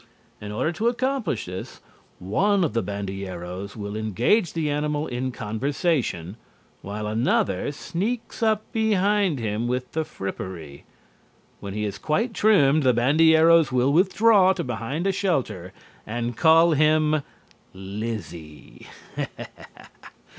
In order to accomplish this, one of the bandilleros will engage the animal in conversation while another sneaks up behind him with the frippery. When he is quite trimmed, the bandilleros will withdraw to behind a shelter and call him: "Lizzie!"